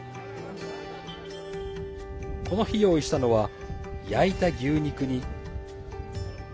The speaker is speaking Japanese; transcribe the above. この日、用意したのは焼いた牛肉に。